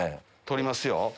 取りますよ。